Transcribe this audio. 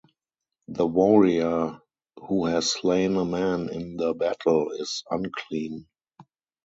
The warrior who has slain a man in the battle is unclean.